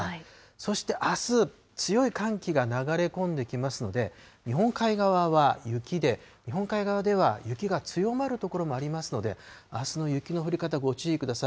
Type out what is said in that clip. そしてあす、強い寒気が流れ込んできますので、日本海側は雪で、日本海側では雪が強まる所もありますので、あすの雪の降り方、ご注意ください。